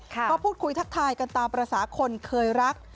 ก็พูดคุยทักทายกันตามภาษาคนเคยรัก